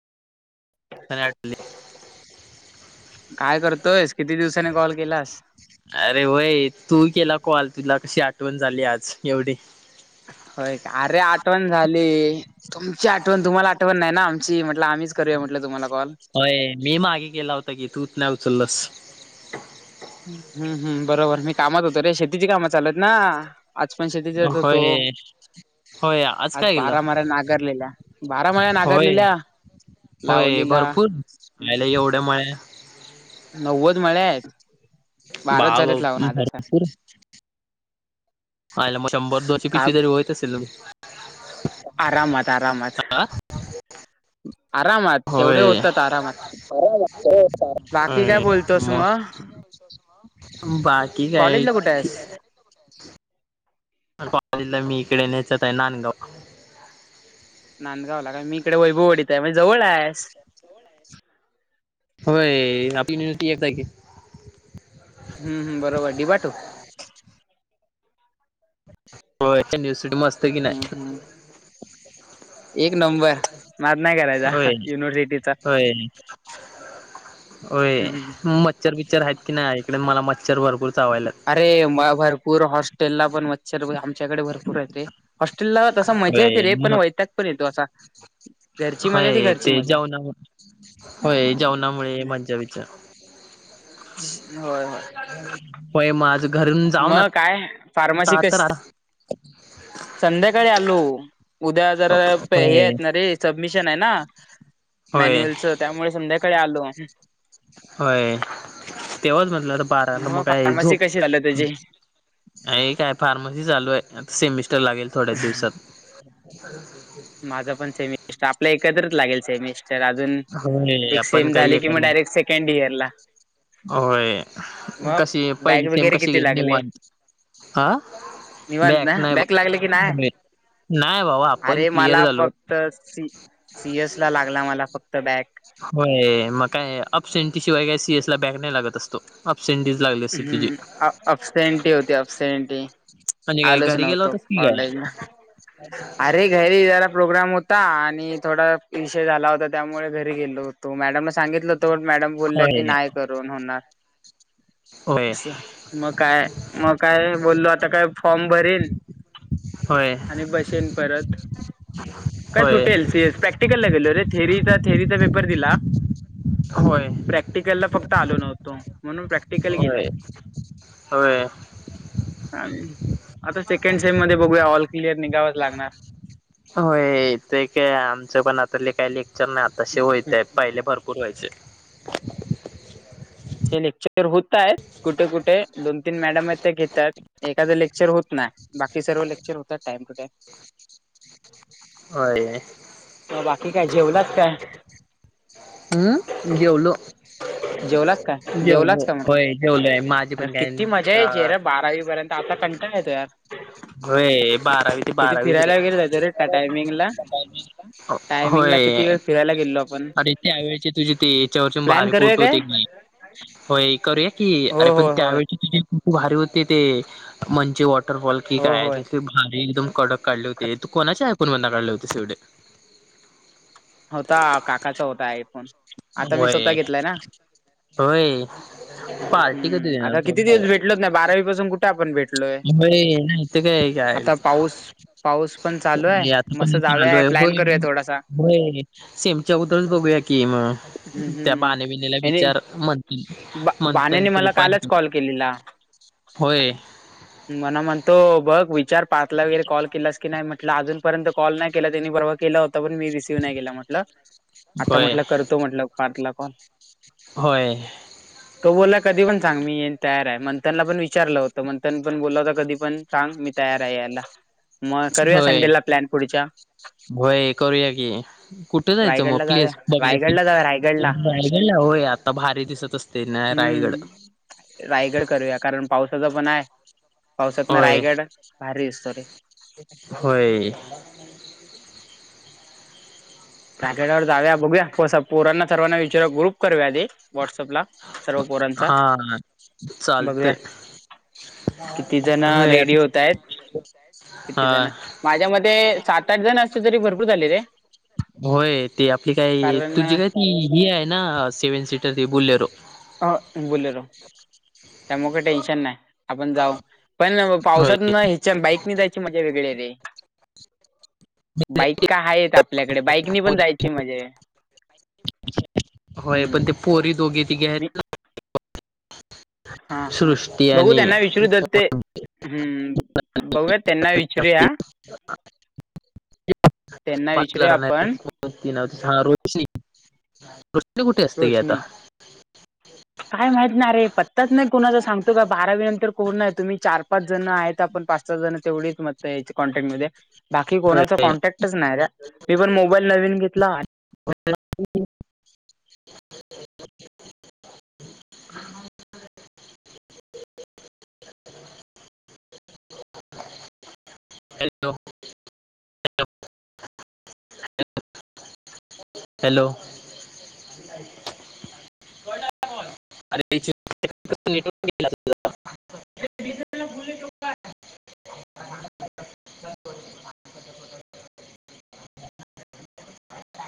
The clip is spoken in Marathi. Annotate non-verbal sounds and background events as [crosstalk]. आठवली काय करतोयस किती दिवसाांनी कॉल केलास? अरे होय तू केला कॉल, तुला कशी आठवण झाली आज एवढी. हो का अरे आ ठवण झाली तुमची आठवण, तुम्हाला आठवण नाही ना आमची, म्हटल आम्हीच करूया म्हटलं तुम्हाला कॉल. होय मी मागे केला होता की, तूच नाही उचलांस. हूं हूं बरोबर मी कामात होतो रे, शेतीची कामं चालु येत ना. आज पण शेतीच्या यात होतो. होय होय आत आज बारामऱ्या नागरलेल्या, बारामळ्या होय नागरलेल्या? होय लावलीला भरपूर आयला एवढ्या मळ्या. नव्वद मळ्या आहेत, बा बाराच बा झालेत लावून आजसा. भरपूर आयला मग शंभर, दोनशे का पिशवी जरी होयत असेल. आरामात, आरामात, हा आरामात तेवढे होय होतात आरामात. बाकी काय बोलतोस मग [unintelligible] बाकी काय? कॉलेजला कुठे आहेस अन कॉलेजला मी इकडे नेचत आहे नांदगाव. नांदगावला काय, मी इकडे वैभवाडीत आहे. म्हणजे जवळ आहेस. होय आपली [unintelligible] हम्, ह बरोबर डीबाटू हो [unintelligible] नसिटी मस्त की हम्म नाही हम्म [inaudible] नंबर नाद नाही करायचा होय, युनिव्हर्सिटीचा होय- होय हम्म हम्म. मच्छर बिच्चर आहेत की नाही इकडे मला मच्छर भरपूर चावायला. अरे भरपूर हॉस्टेल ला पण म मच्छर वगैरे आमच्याकडे भरपूर आहेत रे, हॉस्टेला तसा मजा येते होय रे पण मग वैताग पण येतो असा. घरची मजा ती होय घरची ते मजा जेवणा होय जेवणामुळे मंज्या विचार होय, होय- होय माझ मग काय फार्मासी तर कस, आता संध्याकाळी आलो. उद्या जरा हे होय आहेत ना रे, सबमिशन आहे ना. होय मॅन्युअलच, त्यामुळे समध्याकाळी आलो. होय तेव्हाच म्हटलं तर बारा मग काय फार्मसी झोप कशी झालं तुझी काय फार्मसी चालू आहे. आता सेमिस्टर लागेल थोड्याच दिवसात. माझं पण सेमिस्ट, आपल्या एकत्रच लागेल सेमिस्ट तर अजून होय एक आपण सेम काही हे झाली कि म कर डायरेक्ट सेकंड इयर ला. होय मग कशी बॅग पहिली सेम वगैरे कशी किती गेली लागले निवांत. हा निवांत बक ना नाही बा बॅग लागले की नाही [unintelligible] नाहीय बाऊ आप अरे मला फक्त सी सीएस ला लागला मला फक्त बॅग होय मग काय अप सेंटी शिवाय काय सीएस ला बॅग नाही लागत असतो. अपसेटी लागली असेल तुझी. अप सेंटी होती अपसेटी. म्हणजे काय आलोच घरी गेला नव्हतो होतास की काय कॉलेजला, अरे घरी जरा. प्रोग्राम होता आणि थोडा विषय झाला होता. त्यामुळे घरी गेलो होतो मॅडमने सांगितलं होत. तवर मॅडम बोलल्या की होय नाही करून होणार. होय असं, मग काय, मग काय, बोललो आता काय फॉर्म भरीन होय आणि बसेन परत. [inaudible] काय सुटेल सी एस प्रॅक्टिकल नाही दिलं रे, थेरीचा थेअरीचा पेपर दिला. होय प्रॅक्टिकल ला फक्त आलो नव्हतो म्हणून प्रॅक्टिकल होय गेलाय. होय. आणि आता सेकंड सेम मध्ये बघूया ऑल क्लिअर निघावाच लागणार. होय ते काय आमचं पण आता काही लेक्चर नाही आता [unintelligible] पहिले भरपूर पुरवायचे. आमचे लेक्चर होत आहेत कुठे कुठे दोन तीन मॅडम आहेत. ते घेतात, एखादं लेक्चर होत नाही, बाकी सर्व लेक्चर होतात टाइम टू टाइम. होय. टाइम बाकी काय जेवलाच काय हम्, जेवलो. जेवलाच काय जेवलाच जेवलो का म्हटलं होय जेवलोय माझे अरे पण काय किती मजा यायची रे बारावी पर्यंत, आता कंटाळा येतो यार. होय बारावी ते किती बारावीच रे, फिरायला वगैरे जायचो रे त्या टायमिंगला टायमिंगला किती वेळ होय- फिरायला गेलेलो आपण अरे त्यावेळचे तुझे ते याच्यावरचे प्लॅन भारी करूया फोटो काय होते की. होय करूया की, हो अरे हो पण होय त्यावेळची तुजी भारी होते ते मंचे वॉटरफॉल की हो काय होय भारी एकदम कडक काढले होते तू कोणा च्या आयफोन वरून काढले होते एवढे. होता काकाचा होता आय होय. होय पार्टी कधी हम्म देणार आता भाव किती हो दिवस भेटलोच नाही बारावी पासून कुठे आपण भेटलोय इथ काय आहे आता पाऊस पाऊस पण चालू आहे का मी मस्त इथे जाऊया आलोय प्लॅन होय करूया थोडासा होय सेमच्या उतरच बघ कि म हम्म त्या हम्म बाणीबिणीला विचार म्हणतील म्हणतन बाण्याने तू मला पण कालच कॉल केलेला होय मला म्हणतो बघ विचार पाातला वगैरे कॉल केला की नाही म्हटलं अजूनपर्यंत कॉल नाही केला त्यांनी बवा केला होता पण मी रिसीव्ह नाही केला म्हटलं आता होय म्हटलं करतो म्हटलं कार्टला कॉल होय [inaudible] तो बोलाय कधी पण सांग मी येन तयार आहे मंथनला पण विचारलं होतं मंथन पण बोला होता कधी पण सांग मी तयार आहे याला होय होय करूया की कुठं जायचं मग रायगडला जाऊया आपलीस रायगडला बघलेस जाऊया रायगडला रायगडला होय आता भारी दिसत असते ना रायगड हम्म रायगड करूया कारण पावसाच पण आहे पावसातन होय रायगड भारीसतोरी होय पॅकेटावर जा्या बघूया पोरांना सर्वना विचार ग्रुप करूया दे व्हॉट्सअप ला हा चालते बघूया किती जण रेडी होतय किती हा जण माझ्या मध्ये सात आठ जण असले तरी भरपूर झाले रे होय ते आपली काय कारण तुझी काय त रिया आहे ना सेव्हन सीटर त बुोलले र ह बोले र [inaudible] त्यामुळे टेन्शन नाही आपण जाऊ पण होय पावसात ह्याच्या बाईकनी जायची मजा वेगळी रे बाईक का आहे आपल्याकडे बाईकनी पण जायची म्हजे होय, पण ते पोरी दोघी तीघी मी हायत नां. हा हा सृष्टी बघू आणि त्यांना विचारू जर ते... हम्म बघूया त्यांना विचारूया. त्यांना पाचला विचारूया राहणार आपण नाव रोशनी रोशनी कुठे असते! ग आता रोशनी काय माहित ना रे पत्ताच नाही कोणाचा सांगतो. का बारावी नंतर कोण नाही आहे. तुम्ही चार पाच जण आहेत आपण पाच चव जण तेवढीच मतं याची कॉन्टॅक्ट मध्ये. बाकी कोणाचा कॉन्टॅक्टच नाही त्या मी पण मोबाईल नवीन घेतला [unintelligible] हॅलो हॅलो [unintelligible]